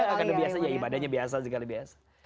karena biasanya ibadahnya biasa sekali biasa